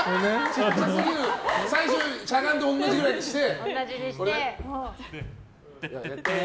最初、しゃがんで同じぐらいにして。